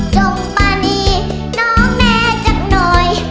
จงปานีน้องแน่สักหน่อย